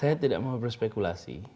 saya tidak mau berspekulasi